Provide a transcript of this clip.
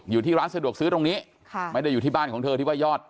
อยู่ที่ร้านสะดวกซื้อตรงนี้ค่ะไม่ได้อยู่ที่บ้านของเธอที่ว่ายอด